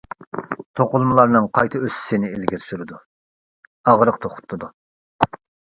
توقۇلمىلارنىڭ قايتا ئۆسۈشىنى ئىلگىرى سۈرىدۇ، ئاغرىق توختىتىدۇ.